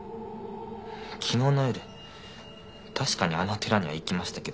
昨日の夜確かにあの寺には行きましたけど。